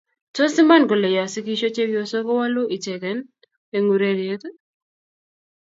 tos iman kole ya sigisyo chepyosok ko wolu icheken eng' ureriet